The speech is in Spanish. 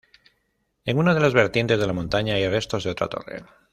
En una de las vertientes de la montaña hay restos de otra torre.